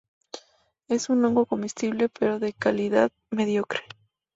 Es un hongo comestible, pero de calidad mediocre.